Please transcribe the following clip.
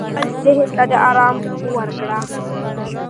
خپل ذهن ته آرام ورکړئ.